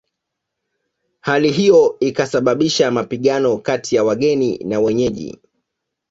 Hali hiyo ikasababisha mapigano kati ya wageni na wenyeji